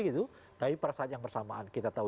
gitu tapi pada saat yang bersamaan kita tahu